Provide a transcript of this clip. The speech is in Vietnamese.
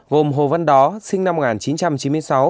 gồm hồ văn đó sinh năm một nghìn chín trăm chín mươi sáu